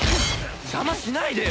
邪魔しないでよ！